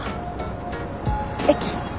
駅？